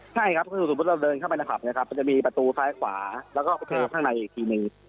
ใช่ครับคือสมมุติเราเดินเข้าไปในผับเนี่ยครับมันจะมีประตูซ้ายขวาแล้วก็ประตูข้างในอีกทีหนึ่ง